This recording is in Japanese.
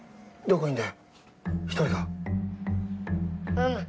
「うむ。